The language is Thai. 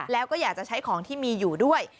แล้วก็อยากจะใช้ของที่มีอยู่ด้วย